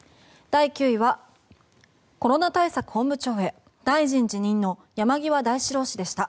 第９位は、コロナ対策本部長へ大臣辞任の山際大志郎氏でした。